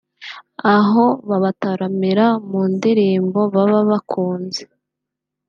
aho babataramira mu ndirimbo baba bakunze